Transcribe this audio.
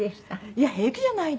いや平気じゃないです。